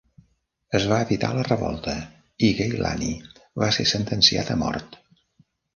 Es va evitar la revolta i Gaylani va ser sentenciat a mort.